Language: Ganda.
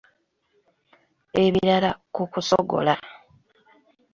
Ebirala ku kusogola.